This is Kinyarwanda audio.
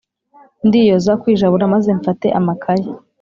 ndiyoza kwijabura maze mfata amakaye